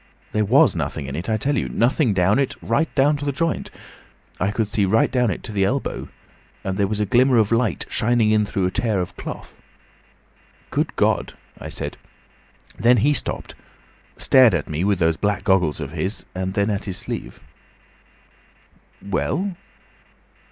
There was nothing in it, I tell you. Nothing down it, right down to the joint. I could see right down it to the elbow, and there was a glimmer of light shining through a tear of the cloth. 'Good God!' I said. Then he stopped. Stared at me with those black goggles of his, and then at his sleeve." "Well?"